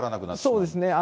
そうですね。